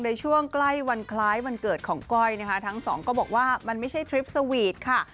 ในช่วงใกล้วันคล้ายวันเกิดของก้อยนะคะทั้งสองก็บอกว่ามันไม่ใช่ทริปสวีทค่ะ